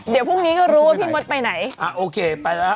เดี๋ยวพรุ่งนี้ก็รู้ว่าพี่มดไปไหนอ่าโอเคไปแล้ว